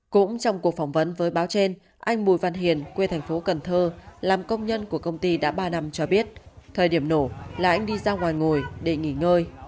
cũng trong cuộc phỏng vấn với báo trên anh bùi văn hiền quê thành phố cần thơ làm công nhân của công ty đã ba năm cho biết thời điểm nổ là anh đi ra ngoài ngồi để nghỉ ngơi